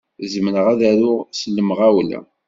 Zemreɣ ad aruɣ s lemɣawla.